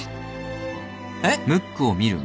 えっ？